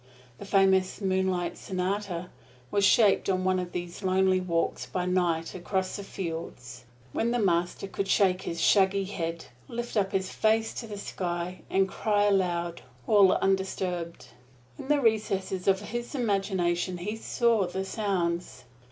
The famous "Moonlight Sonata" was shaped on one of these lonely walks by night across the fields when the Master could shake his shaggy head, lift up his face to the sky, and cry aloud, all undisturbed. In the recesses of his imagination he saw the sounds.